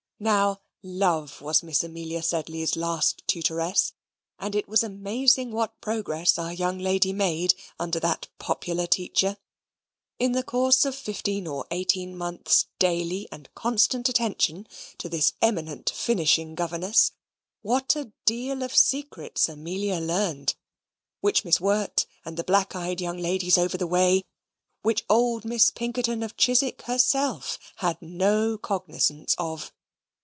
Now, love was Miss Amelia Sedley's last tutoress, and it was amazing what progress our young lady made under that popular teacher. In the course of fifteen or eighteen months' daily and constant attention to this eminent finishing governess, what a deal of secrets Amelia learned, which Miss Wirt and the black eyed young ladies over the way, which old Miss Pinkerton of Chiswick herself, had no cognizance of!